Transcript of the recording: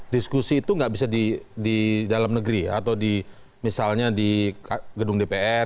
diskusi itu nggak bisa di dalam negeri atau di misalnya di gedung dpr